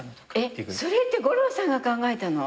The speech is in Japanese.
それって五郎さんが考えたの？